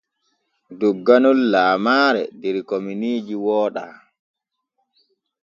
Dogganol lamaare der kominiiji wooɗa.